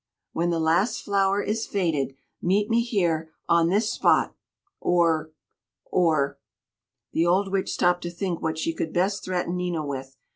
when the last flower is faded, meet me here on this spot or or " The old Witch stopped to think what she could best threaten Nina with.